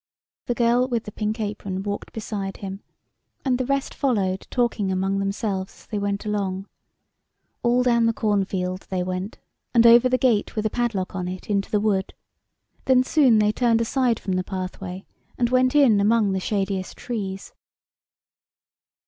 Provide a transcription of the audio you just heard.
The girl with the pink apron walked beside him, and the rest followed, talking among themselves as they went along. All down the cornfield they went, and over the gate with the padlock on it into the wood. Then soon they turned aside from the pathway and went in among the shadiest trees.